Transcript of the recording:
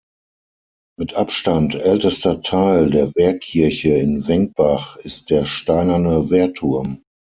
Mit Abstand ältester Teil der Wehrkirche in Wenkbach ist der steinerne Wehrturm.